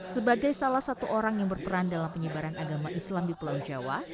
sebagai salah satu orang yang berperan dalam penyebaran agama islam di pulau jawa